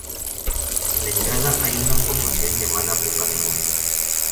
En la entrada, hay una formación llamada boca Dragón.